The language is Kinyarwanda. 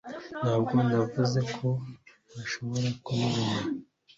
Ntabwo navuze ko ntashobora kubibona